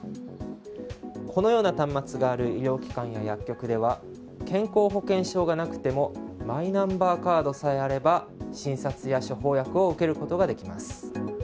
このような端末がある医療機関の薬局では健康保険証がなくてもマイナンバーカードさえあれば、診察や処方薬を受けることができます。